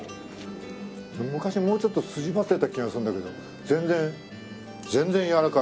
昔もうちょっと筋張ってた気がするんだけど全然全然やわらかい。